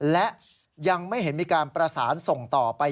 และยังไม่เห็นมีการประสานส่งต่อไป